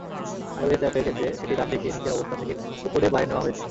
IOS অ্যাপের ক্ষেত্রে সেটি ডানদিকে নিচের অবস্থান থেকে ওপরে বাঁয়ে নেওয়া হয়েছে।